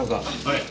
はい。